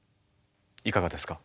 いかがですか？